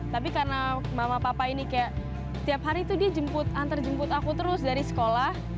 tapi karena mama papa ini kayak tiap hari tuh dia jemput antar jemput aku terus dari sekolah